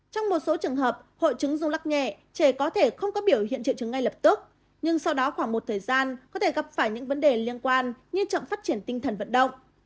trong một số trường hợp hội chứng ru lắc nhẹ trẻ có thể không có biểu hiện triệu chứng ngay lập tức nhưng sau đó khoảng một thời gian có thể gặp phải những vấn đề liên quan như chậm phát triển tinh thần vận động